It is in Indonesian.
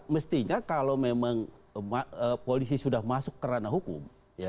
mestinya kalau memang polisi sudah masuk kerana hukum